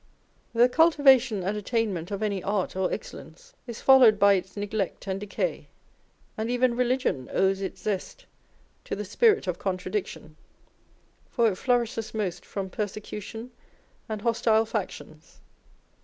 The cultivation and attainment of any art or excellence is followed by its neglect and decay; and even religion owes its zest to the spirit of contradiction ; for it flourishes most from persecu tion and hostile factions.